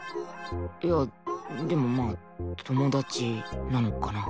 いやでもまあ友達なのかな。